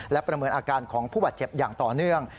และประเมินอาการของผู้บาดเจ็บอย่างต่อเนื่อง